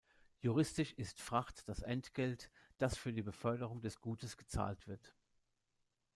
Juristisch ist Fracht das Entgelt, das für die Beförderung des Gutes gezahlt wird.